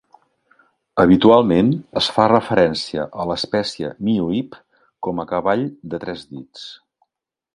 Habitualment, es fa referència a l'especie "miohip" com a cavall de tres dits.